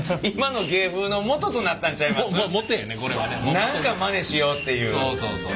何かまねしようっていう。